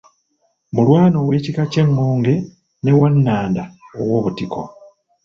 Mulwana ow'ekika ky'Engonge ne Wannanda ow'obutiko.